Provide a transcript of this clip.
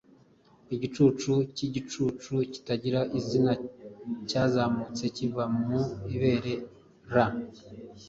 Igicucu cyigicucu kitagira izina cyazamutse kiva mu ibere r